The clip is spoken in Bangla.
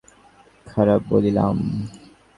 লোকে ঝড়কে ভাল বলিল, আমি খারাপ বলিলাম।